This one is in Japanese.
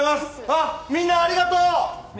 みんなありがとう！